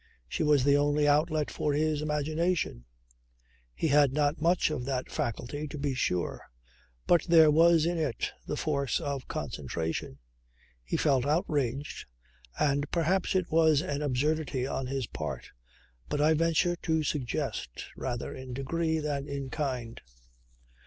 She was the only outlet for his imagination. He had not much of that faculty to be sure, but there was in it the force of concentration. He felt outraged, and perhaps it was an absurdity on his part, but I venture to suggest rather in degree than in kind.